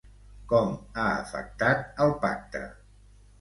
Com ha afectat el pacte?